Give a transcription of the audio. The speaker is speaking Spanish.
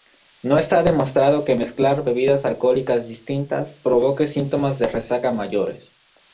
No está demostrado que mezclar bebidas alcohólicas distintas provoque síntomas de resaca mayores.